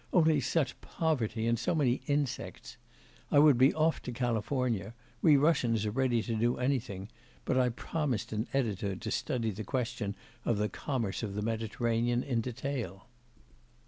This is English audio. only such poverty, and so many insects. I would be off to California we Russians are ready to do anything but I promised an editor to study the question of the commerce of the Mediterranean in detail.